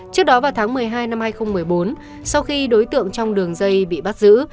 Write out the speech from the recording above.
trước đó vào tháng một mươi hai năm hai nghìn một mươi bốn sau khi đối tượng trong đường dây bị bắt giữ